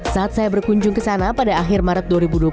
saat saya berkunjung ke sana pada akhir maret dua ribu dua puluh satu